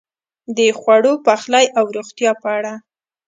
د خوړو، پخلی او روغتیا په اړه: